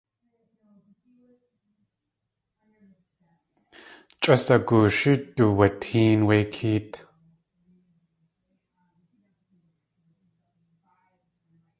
Chʼas a gooshí duwatéen wé kéet.